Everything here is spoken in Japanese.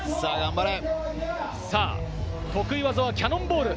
得意技はキャノンボール。